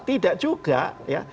tidak juga ya